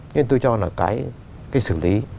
nên tôi cho là cái xử lý